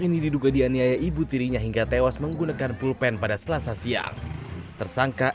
ini diduga dianiaya ibu tirinya hingga tewas menggunakan pulpen pada selasa siang tersangka